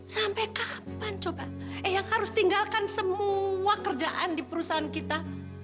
sampai kapan coba eh yang harus tinggalkan semua kerjaan di perusahaan kita